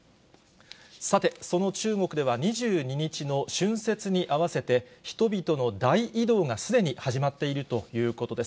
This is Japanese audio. さて、その中国では、２２日の春節に合わせて、人々の大移動がすでに始まっているということです。